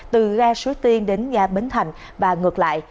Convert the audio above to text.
từ ga suối tiên đến ga bến thành và ngược lại